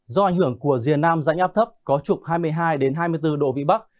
do ảnh hưởng của rìa nam dãnh áp thấp có trục hai mươi hai hai mươi bốn độ vĩ bắc